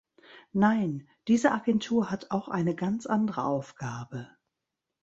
Nein, diese Agentur hat auch eine ganz andere Aufgabe.